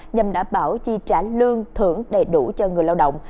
nhằm đảm bảo chi trả lương thưởng đầy đủ cho người lao động